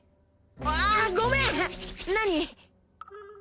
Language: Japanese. あっごめん何？